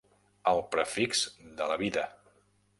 El prefix de la vida.